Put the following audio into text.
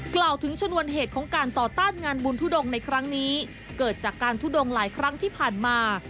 กล่าวถึงชนวนเหตุของการต่อต้านงานบุญทุดงในครั้งนี้เกิดจากการทุดงหลายครั้งที่ผ่านมา